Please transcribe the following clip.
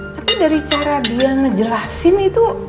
tapi dari cara dia ngejelasin itu